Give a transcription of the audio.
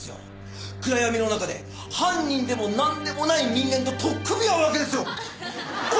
暗闇の中で犯人でもなんでもない人間と取っ組み合うわけですよ。